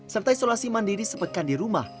serta isolasi mandiri sepekan di rumah